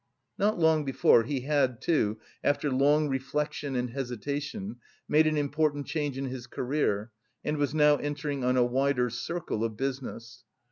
Not long before, he had, too, after long reflection and hesitation, made an important change in his career and was now entering on a wider circle of business.